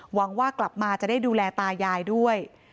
หวังว่ากลับมาจะได้ดูแลตายายด้วย